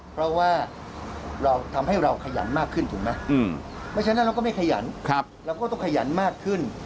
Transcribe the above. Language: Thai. เพราะว่าเราทำให้เราขยันมากขึ้นถูกไหมเพราะฉะนั้นเราก็ไม่ขยันเราก็ต้องขยันมากขึ้น